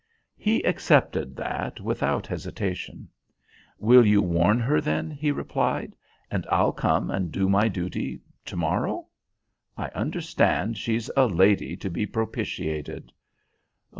He accepted that without hesitation. "Will you warn her then?" he replied. "And I'll come and do my duty to morrow. I understand she's a lady to be propitiated."